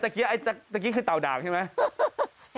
ตะกี้คือเต่าด่างใช่ไหม